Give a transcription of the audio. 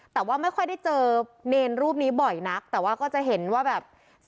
แต่ว่าไม่ค่อยได้เจอเนรรูปนี้บ่อยนักแต่ว่าก็จะเห็นว่าแบบ